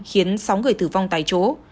khiến sáu người tử vong tại chỗ